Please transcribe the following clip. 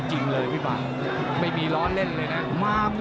โจโย่อย่างตลอดนะครับ